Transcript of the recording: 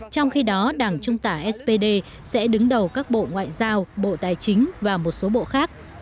trong khi đó đảng trung tả spd sẽ đứng đầu các bộ ngoại giao bộ tài chính và một số bộ khác